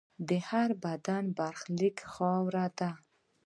د هر بدن برخلیک خاوره ده.